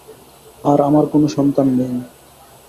আর আমার কোন সন্তান নেই।